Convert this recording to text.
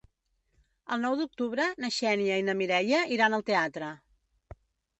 El nou d'octubre na Xènia i na Mireia iran al teatre.